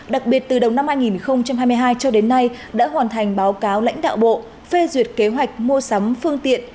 đặc biệt từ đầu năm hai nghìn hai mươi hai cho đến nay đã hoàn thành báo cáo lãnh đạo bộ phê duyệt kế hoạch mua sắm phương tiện